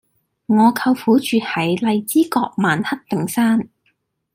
我舅父住喺荔枝角曼克頓山